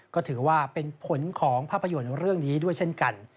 ก็ถือว่าเป็นผลของภาพยนตร์เรื่องนี้ด้วยเช่นกัน